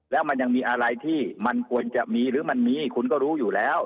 แล้วมันยังมีอะไรที่มันควรจะมีหรือมันมีคุณก็รู้อยู่แล้ว